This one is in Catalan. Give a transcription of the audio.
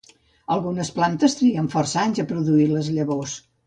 Algunes plantes triguen força anys a produir les llavors.